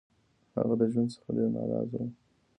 هغه د ژوند څخه ډير نا رضا وو